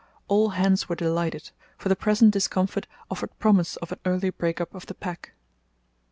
All hands were delighted, for the present discomfort offered promise of an early break up of the pack.